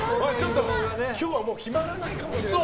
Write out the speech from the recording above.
今日はもう決まらないかもしれない。